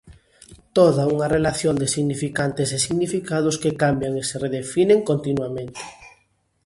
Toda unha relación de significantes e significados que cambian e se redefinen continuamente.